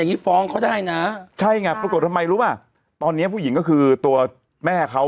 งี้ฟ้องเขาได้นะใช่ไงปรากฏทำไมรู้ป่ะตอนเนี้ยผู้หญิงก็คือตัวแม่เขา